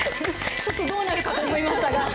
ちょっとどうなるかと思いましたが。